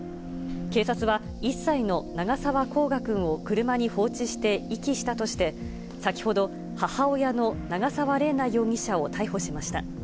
警察は、１歳の長沢こうがくんを車に放置して遺棄したとして、先ほど、母親の長沢麗奈容疑者を逮捕しました。